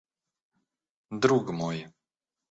Друг мой!